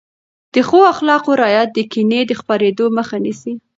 د ښو اخلاقو رعایت د کینې د خپرېدو مخه نیسي.